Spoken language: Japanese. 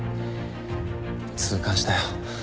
痛感したよ